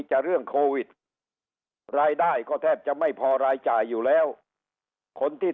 จะเรื่องโควิดรายได้ก็แทบจะไม่พอรายจ่ายอยู่แล้วคนที่